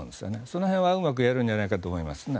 その辺はうまくやるんじゃないかと思いますね。